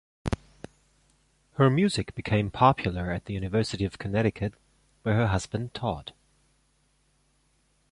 Her music became popular at the University of Connecticut, where her husband taught.